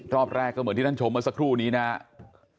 รอบแรกก็เหมือนที่ท่านชมเมื่อสักครู่นี้นะครับ